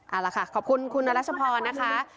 เอาล่ะค่ะขอบคุณคุณรัชพรนะคะ